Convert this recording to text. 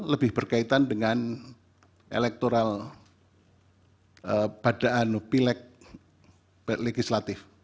lebih berkaitan dengan elektoral pada pileg legislatif